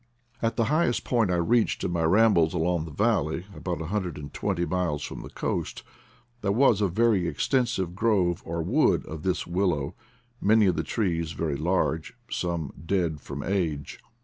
At the highest point I reached in my ramblcfs along the valley, about a hundred and twent miles from the coast, there was a very extensive grove or wood of this willow, many of the trees ; very large, and some dead from age.